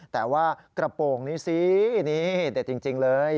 แต่ว่ากระโปรงนี้สินี่เด็ดจริงเลย